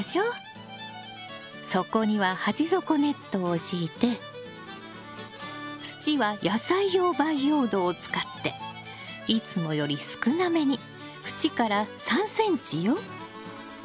底には鉢底ネットを敷いて土は野菜用培養土を使っていつもより少なめに縁から３ｃｍよ。